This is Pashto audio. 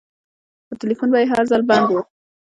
خو ټېلفون به يې هر ځل بند و.